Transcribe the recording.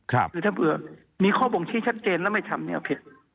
หรือถ้าเบื่อมีข้อบงที่ชัดเจนแล้วไม่ทำนี่เขาผิด